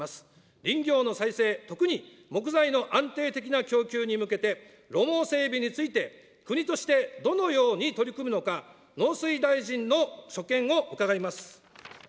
林業の再生、特に木材の安定的な供給に向けて、路網整備について、国としてどのように取り組むのか、農水大臣の所見を伺います。